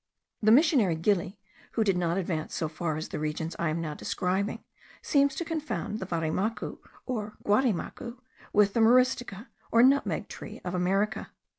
The missionary Gili, who did not advance so far as the regions I am now describing, seems to confound the varimacu, or guarimacu, with the myristica, or nutmeg tree of America.